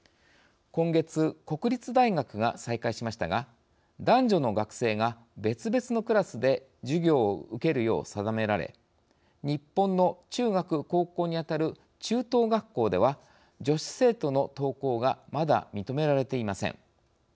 今月、国立大学が再開しましたが男女の学生が別々のクラスで授業を受けるよう定められ日本の中学・高校に当たる中等学校では女子生徒の登校がまだ認められていません。